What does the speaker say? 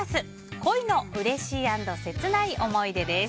恋のうれしい＆切ない思い出です。